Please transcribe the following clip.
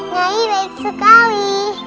nyai baik sekali